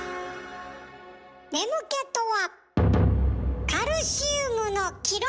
眠気とはカルシウムの記録。